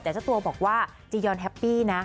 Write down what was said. แต่เจ้าตัวบอกว่าจียอนแฮปปี้นะ